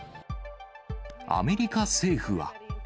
アメリカ政府は。